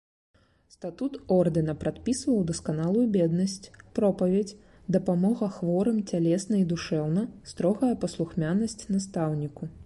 Статут ордэна прадпісваў дасканалую беднасць, пропаведзь, дапамога хворым цялесна і душэўна, строгае паслухмянасць настаўніку.